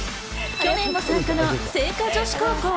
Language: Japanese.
去年も参加の精華女子高校。